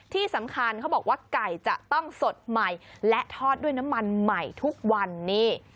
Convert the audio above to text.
ที่สำคัญเขาบอกว่าไก่จะต้องสดใหม่และทอดด้วยน้ำมันใหม่ทุกวันนี้